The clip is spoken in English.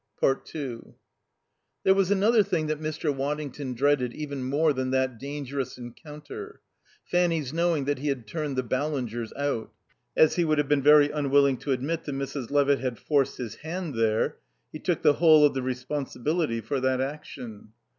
2 There was another thing that Mr. Waddington dreaded even more than that dangerous encounter: Fanny's knowing that he had turned the Ballingers out. As he would have been very unwilling to admit that Mrs. Levitt had forced his hand there, he took the whole of the responsibility for that action.